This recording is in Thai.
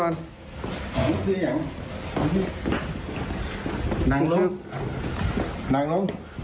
เฮ้ยปล่อยเบื้องเขาจะรีบบืน